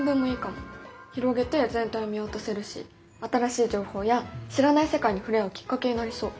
広げて全体を見渡せるし新しい情報や知らない世界に触れ合うきっかけになりそう。